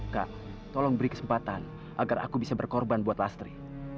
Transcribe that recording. kak tolong beri kesempatan agar aku bisa berkorban buat lastri